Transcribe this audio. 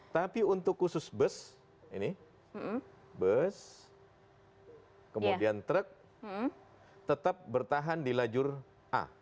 tapi untuk khusus bus ini bus kemudian truk tetap bertahan di lajur a